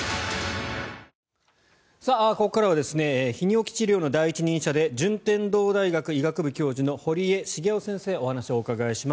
ここからは泌尿器治療の第一人者で順天堂大学医学部教授の堀江重郎先生にお話をお伺いします。